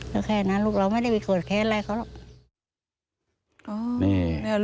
ก็แค่นั้นลูกเราไม่ได้ไปโขลดแค้นไล่เขาหรอก